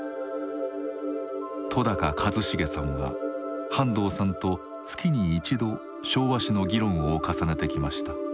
戸一成さんは半藤さんと月に１度昭和史の議論を重ねてきました。